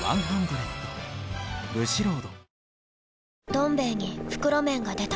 「どん兵衛」に袋麺が出た